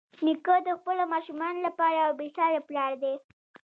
نیکه د خپلو ماشومانو لپاره یو بېساري پلار دی.